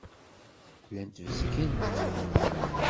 Llant bezgent.